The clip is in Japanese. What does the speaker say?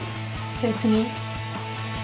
別に。